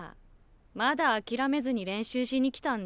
まだあきらめずに練習しに来たんだ？